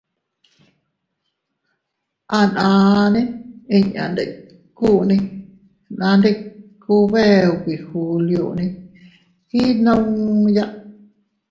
Ananne inña ndikune, nandiku bee ubi julione innuya.